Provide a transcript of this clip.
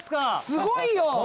すごいよ。